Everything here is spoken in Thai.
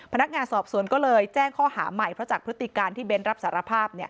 พนักงานสอบสวนก็เลยแจ้งข้อหาใหม่เพราะจากพฤติการที่เบ้นรับสารภาพ